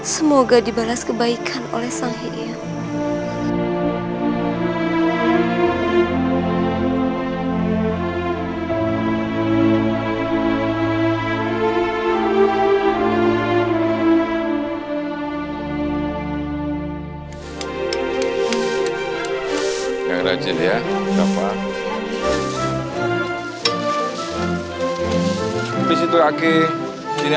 semoga dibalas kebaikan oleh sang heian